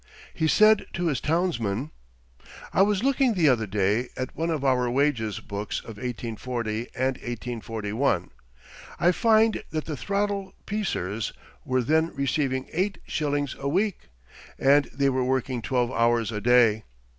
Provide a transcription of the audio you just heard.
He said to his townsmen: "I was looking the other day at one of our wages books of 1840 and 1841. I find that the throttle piecers were then receiving eight shillings a week, and they were working twelve hours a day.